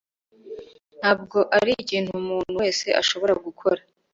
Ntabwo ari ikintu umuntu wese ashobora gukora